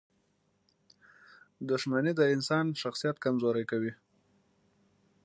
• دښمني د انسان شخصیت کمزوری کوي.